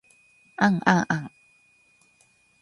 あんあんあ ｎ